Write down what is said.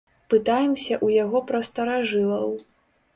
Пытаемся ў яго пра старажылаў.